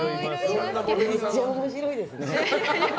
めっちゃ面白いですね。